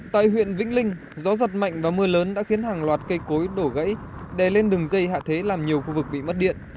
tại huyện vĩnh linh gió giật mạnh và mưa lớn đã khiến hàng loạt cây cối đổ gãy đè lên đường dây hạ thế làm nhiều khu vực bị mất điện